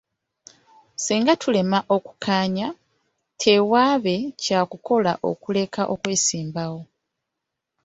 Singa tulema okukkanya, tewaabe kyakukola okuleka okwesimbawo